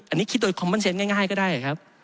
อันนี้คิดโดยคอมเป็นเซ็นต์ง่ายก็ได้